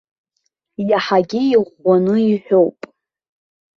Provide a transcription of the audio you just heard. Иаҳагьы иӷәӷәаны иҳәоуп.